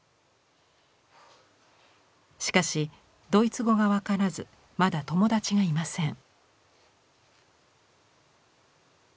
しかしドイツ語が分からずまだ友達がいません。